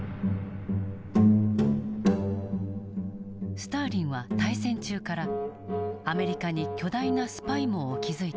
スターリンは大戦中からアメリカに巨大なスパイ網を築いていた。